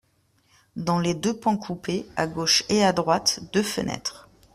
Dans les deux pans coupés, à gauche et à droite, deux fenêtres.